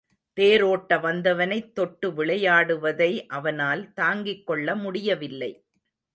தேர் ஒட்ட வந்தவனைத் தொட்டு விளையாடுவதை அவனால் தாங்கிக்கொள்ள முடியவில்லை.